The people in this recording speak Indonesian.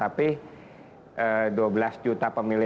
apakah itu akan menjadi suatu perbedaan atmosfer politik